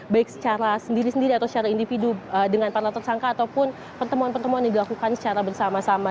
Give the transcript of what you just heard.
baik secara sendiri sendiri atau secara individu dengan para tersangka ataupun pertemuan pertemuan yang dilakukan secara bersama sama